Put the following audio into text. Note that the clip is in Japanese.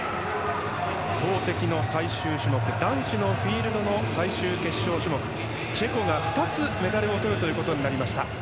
投てきの最終種目男子のフィールドの最終決勝種目チェコが２つメダルをとるということになりました。